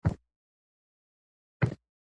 ځوانان د شاعرانو د اثارو لوستلو ته هڅول کېږي.